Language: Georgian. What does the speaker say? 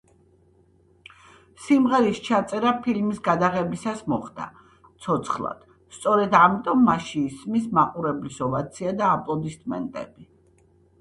სიმღერის ჩაწერა ფილმის გადაღებისას მოხდა ცოცხლად, სწორედ ამიტომ მასში ისმის მაყურებლის ოვაცია და აპლოდისმენტები.